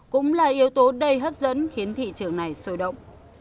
cũng là yếu tố đầy hấp dẫn khiến thị trường này sôi động